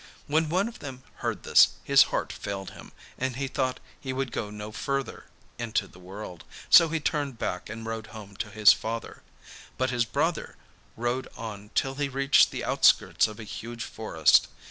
When one of them heard this, his heart failed him, and he thought he would go no further into the world, so he turned back and rode home to his father, but his brother rode on till he reached the outskirts of a huge forest.